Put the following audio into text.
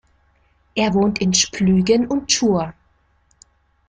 Er wohnt in Splügen und Chur.